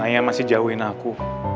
ayah masih jauhin aku